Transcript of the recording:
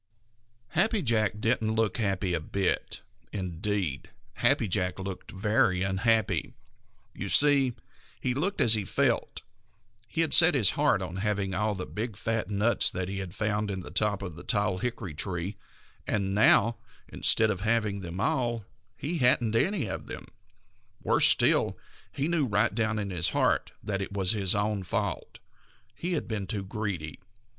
_ Happy Jack didn't look happy a bit. Indeed, Happy Jack looked very unhappy. You see, he looked just as he felt. He had set his heart on having all the big, fat nuts that he had found in the top of that tall hickory tree, and now, instead of having all of them, he hadn't any of them. Worse still, he knew right down in his heart that it was his own fault. He had been too greedy.